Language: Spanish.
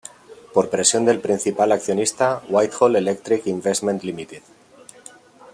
Por presión del principal accionista, Whitehall Electric Investment Ltd.